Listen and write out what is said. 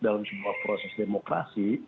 dalam sebuah proses demokrasi